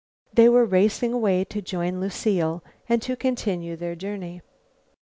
They were racing away to join Lucile and to continue their journey.